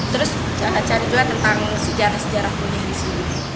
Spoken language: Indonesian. terus cari juga tentang sejarah sejarah kuliah di sini